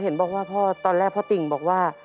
เห็นบอกว่าพ่อตอนแรกพ่อติ่งบอกว่า